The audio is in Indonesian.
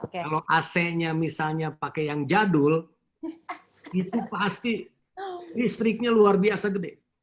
kalau ac nya misalnya pakai yang jadul itu pasti listriknya luar biasa gede